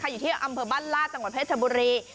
อยู่ที่อำเภอบ้านลาดตพบุรี